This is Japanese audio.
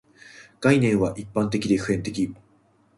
概念は一般的で普遍的